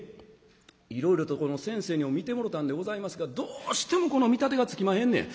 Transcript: いろいろとこの先生にも診てもろたんでございますがどうしてもこの見立てがつきまへんねん。